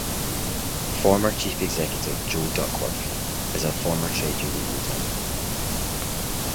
Former Chief Executive Joe Duckworth is a former trade union leader.